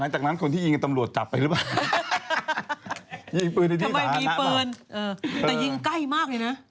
แน่จากนั้นคนที่ยิงตำรวจจับได้หรือเปล่า